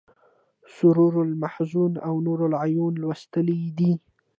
سرور المحزون او نور العیون لوستلی دی.